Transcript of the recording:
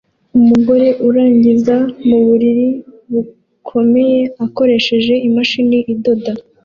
Umugore urangiza muburiri bukomeye akoresheje imashini idoda